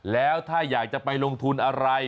แล้วถ้าอยากจะไปลงทุนอะไร